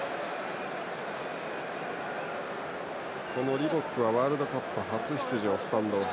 リボックはワールドカップ初出場スタンドオフ。